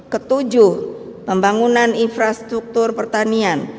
ketujuh pembangunan infrastruktur pertanian